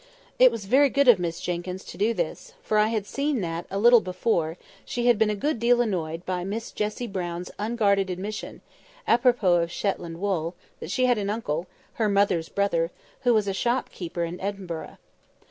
It was very good of Miss Jenkyns to do this; for I had seen that, a little before, she had been a good deal annoyed by Miss Jessie Brown's unguarded admission (à propos of Shetland wool) that she had an uncle, her mother's brother, who was a shopkeeper in Edinburgh.